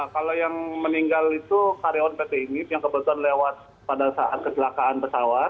kalau yang meninggal itu karyawan pt ini yang kebetulan lewat pada saat kecelakaan pesawat